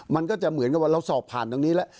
มันก็จะเหมือนกับว่าเราสอบผ่านตรงนี้แล้ว